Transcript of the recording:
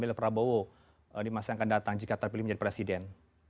oleh prabowo di masa yang akan datang jika terpilih menjadi presiden